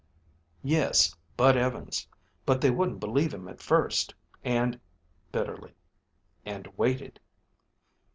"Yes, Bud Evans; but they wouldn't believe him at first, and" bitterly "and waited."